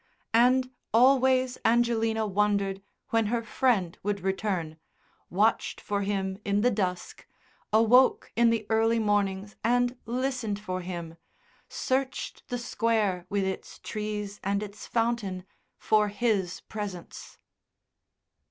And always Angelina wondered when her friend would return, watched for him in the dusk, awoke in the early mornings and listened for him, searched the Square with its trees and its fountain for his presence.